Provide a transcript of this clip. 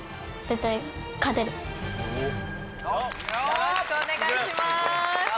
よろしくお願いします